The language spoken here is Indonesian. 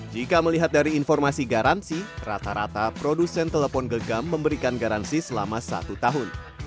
jika melihat dari informasi garansi rata rata produsen telepon genggam memberikan garansi selama satu tahun